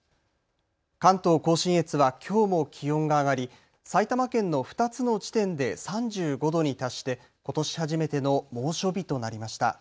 関東甲信越はきょうも気温が上がり埼玉県の２つの地点で３５度に達してことし初めての猛暑日となりました。